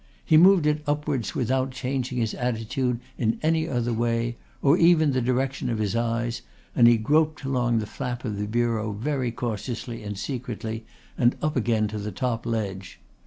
He moved it upwards without changing his attitude in any other way, or even the direction of his eyes, and he groped along the flap of the bureau very cautiously and secretly and up again to the top ledge.